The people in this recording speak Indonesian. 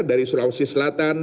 dari sulawesi selatan